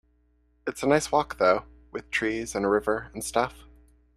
It's a nice walk though, with trees and a river and stuff.